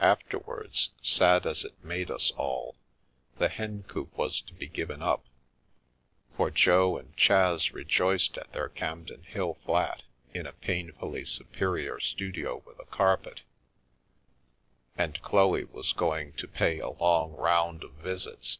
Afterwards, sad as it made us all, the Hencoop was to be given up, for Jo and Chas rejoiced at their Campden Hill flat in a painfully superior studio with a carpet, and Chloe was going to pay a long round of visits.